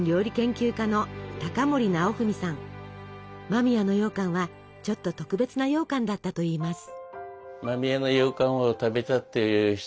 間宮のようかんはちょっと特別なようかんだったといいます。